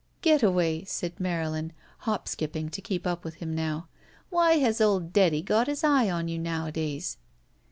''Getaway," said Marylin, hop skipping to keep up with him now, "why has old Deady got his eye on you nowadays?"